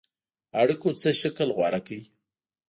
اړېکو څه شکل غوره کړ.